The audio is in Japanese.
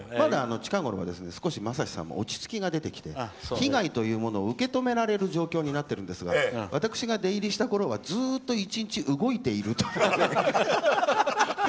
近ごろは、まだまさしも落ち着きが出てきて被害というものを受け止められる状況になっているんですが私が出入りしたころは１日、ずっと動いているという。